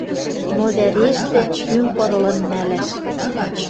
Но вӓрештӹ пӱм пырылын нӓлӓш